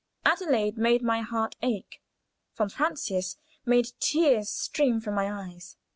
Adelaide made my heart ache; von Francius made tears stream from my eyes.